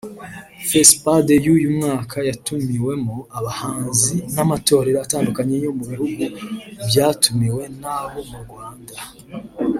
Fespad y’uyu mwaka yatumiwemo abahanzi n’amatorero atandukanye yo mu bihugu byatumiwe n’abo mu Rwanda